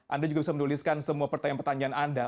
anda juga bisa menuliskan semua pertanyaan pertanyaan anda